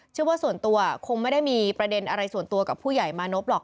เชื่อว่าส่วนตัวคงไม่ได้มีประเด็นอะไรส่วนตัวกับผู้ใหญ่มานพหรอก